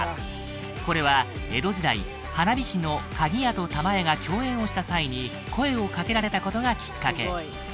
これは江戸時代花火師の鍵屋と玉屋が競演をした際に声をかけられたことがきっかけ